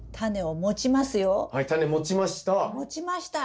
持ちました。